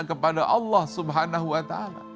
kepada allah swt